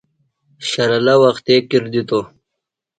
شرلہ وختے کِر دِتوۡ۔